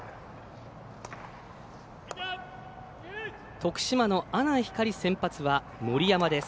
徳島の阿南光先発は森山です。